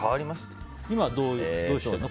今はどうしてるの？